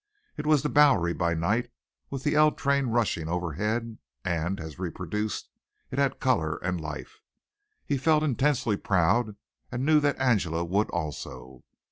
It was the Bowery by night, with the L train rushing overhead and, as reproduced, it had color and life. He felt intensely proud and knew that Angela would also.